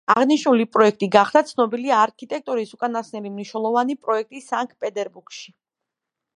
აღნიშნული პროექტი გახდა ცნობილი არქიტექტორის უკანასკნელი მნიშვნელოვანი პროექტი სანქტ-პეტერბურგში.